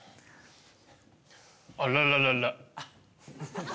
あらららら。